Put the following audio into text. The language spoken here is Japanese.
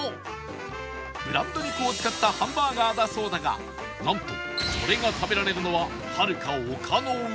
ブランド肉を使ったハンバーガーだそうだがなんとそれが食べられるのははるか丘の上